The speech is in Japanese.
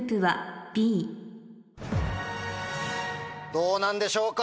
どうなんでしょうか？